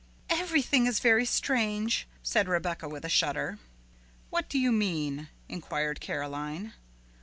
"Everything is very strange," said Rebecca with a shudder. "What do you mean?" inquired Caroline.